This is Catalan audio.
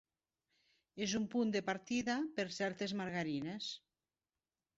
És un punt de partida per certes margarines.